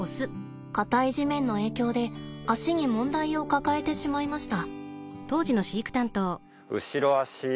硬い地面の影響で足に問題を抱えてしまいました。